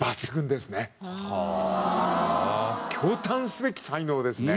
驚嘆すべき才能ですね。